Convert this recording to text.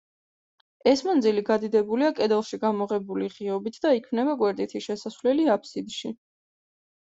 ეს მანძილი გადიდებულია კედელში გამოღებული ღიობით და იქმნება გვერდითი შესასვლელი აბსიდში.